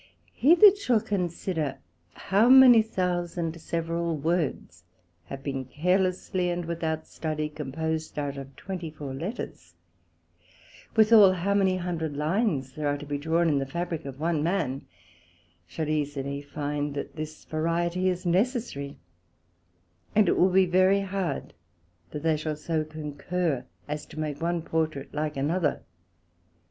He that shall consider how many thousand several words have been carelesly and without study composed out of 24 Letters; withal, how many hundred lines there are to be drawn in the Fabrick of one Man; shall easily find that this variety is necessary: And it will be very hard that they shall so concur, as to make one portract like another.